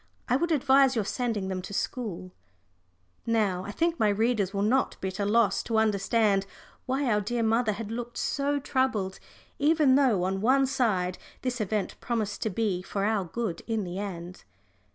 I would advise your sending them to school." Now I think my readers will not be at a loss to understand why our dear mother had looked so troubled, even though on one side this event promised to be for our good in the end.